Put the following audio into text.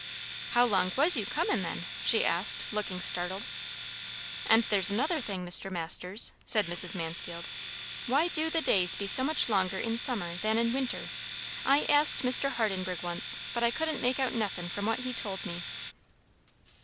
"How long was you comin', then?" she asked, looking startled. "And there's another thing, Mr. Masters," said Mrs. Mansfield; "why do the days be so much longer in summer than in winter? I asked Mr. Hardenburgh once, but I couldn't make out nothin' from what he told me?"